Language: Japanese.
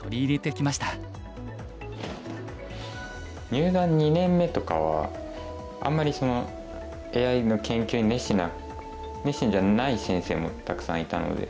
入段２年目とかはあんまりＡＩの研究に熱心な熱心じゃない先生もたくさんいたので。